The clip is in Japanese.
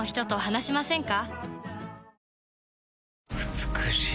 美しい。